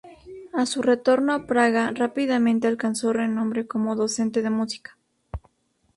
A su retorno a Praga, rápidamente alcanzó renombre como docente de música.